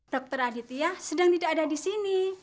dokter aditya sedang tidak ada di sini